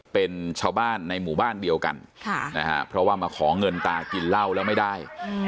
เป็นชาวบ้านในหมู่บ้านเดียวกันเพราะว่ามาขอเงินตากินเหล้าแล้วไม่ได้